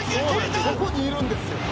そこにいるんですよ。